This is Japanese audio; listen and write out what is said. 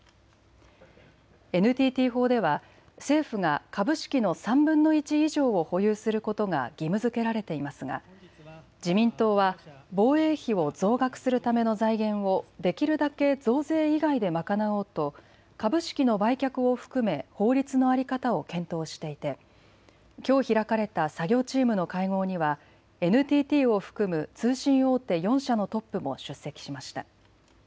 ＮＴＴ法では政府が株式の３分の１以上を保有することが義務づけられていますが自民党は防衛費を増額するための財源をできるだけ増税以外で賄おうと株式の売却を含め法律の在り方を検討していてきょう開かれた作業チームの会合にはＮＴＴを含む通信大手４社のトップも出席しました。